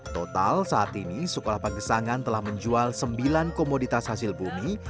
total saat ini sekolah pagesangan telah menjual sembilan komoditas hasil bumi